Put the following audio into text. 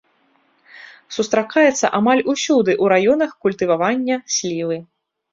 Сустракаецца амаль усюды ў раёнах культывавання слівы.